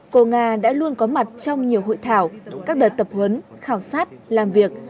cô nga đã luôn có mặt trong nhiều hội thảo các đợt tập huấn khảo sát làm việc